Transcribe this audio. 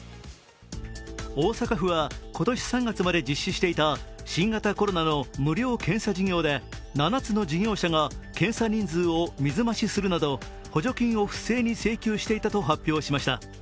大阪府は今年３月まで実施していた新型コロナの無料検査事業で７つの事業者が検査人数を水増しするなど補助金を不正に請求していたと発表しました。